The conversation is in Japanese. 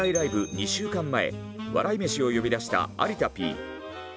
２週間前笑い飯を呼び出した有田Ｐ。